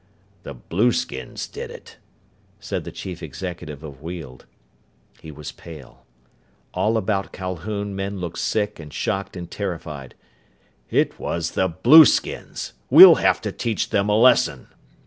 "The blueskins did it," said the chief executive of Weald. He was pale. All about Calhoun men looked sick and shocked and terrified. "It was the blueskins! We'll have to teach them a lesson!"